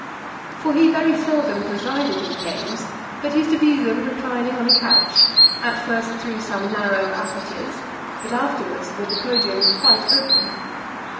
For he very seldom presided in the games, but used to view them reclining on a couch, at first through some narrow apertures, but afterwards with the Podium quite open.